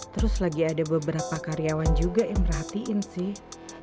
terus lagi ada beberapa karyawan juga yang merhatiin sih